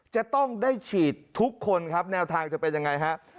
จะต้องได้ฉีดทุกคนครับแนวทางจะเป็นยังไงฮะ